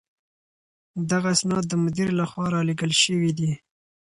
دغه اسناد د مدير له خوا رالېږل شوي دي.